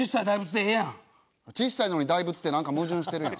小さいのに「大仏」ってなんか矛盾してるやん。